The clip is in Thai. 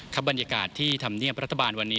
บรรยากาศที่ธรรมเนียบรัฐบาลวันนี้